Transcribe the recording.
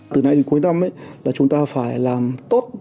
từ nay đến cuối năm là chúng ta phải làm tốt